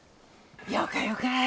よかよか。